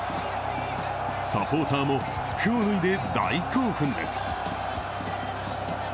サポーターも服を脱いで大興奮です。